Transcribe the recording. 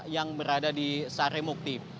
yang berada di sare mukti